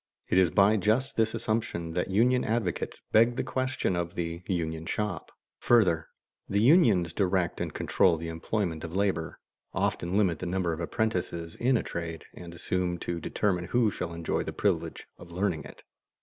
It is by just this assumption that union advocates beg the question of the "union shop." [Sidenote: Other limitations put upon industry by unions] Further, the unions direct and control the employment of labor, often limit the number of apprentices in a trade, and assume to determine who shall enjoy the privilege of learning it.